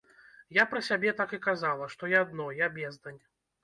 Я пра сябе так і казала, што я дно, я бездань.